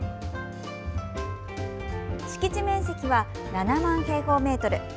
敷地面積は７万平方メートル。